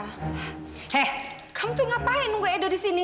hei kamu itu ngapain menunggu edo di sini